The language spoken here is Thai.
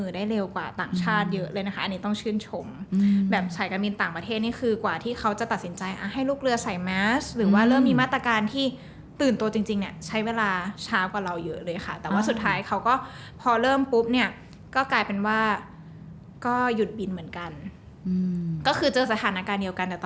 ได้เร็วกว่าต่างชาติเยอะเลยนะคะอันนี้ต้องชื่นชมแบบสายการบินต่างประเทศนี่คือกว่าที่เขาจะตัดสินใจให้ลูกเรือใส่แมสหรือว่าเริ่มมีมาตรการที่ตื่นตัวจริงเนี่ยใช้เวลาเช้ากว่าเราเยอะเลยค่ะแต่ว่าสุดท้ายเขาก็พอเริ่มปุ๊บเนี่ยก็กลายเป็นว่าก็หยุดบินเหมือนกันก็คือเจอสถานการณ์เดียวกันแต่ต